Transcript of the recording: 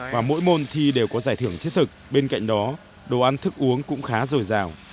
và mỗi môn thi đều có giải thưởng thiết thực bên cạnh đó đồ ăn thức uống cũng khá dồi dào